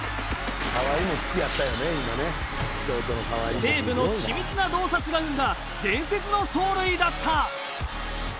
西武の緻密な洞察が生んだ伝説の走塁だった。